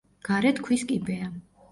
გარეთ ქვის კიბეა.